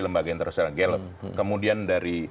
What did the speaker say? lembaga yang tersebut kemudian dari